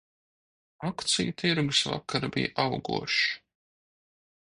Akciju tirgus vakar bija augošs.